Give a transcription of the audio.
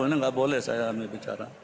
ini nggak boleh saya bicara